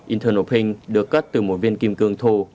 internal pink được cắt từ một viên kim cương thô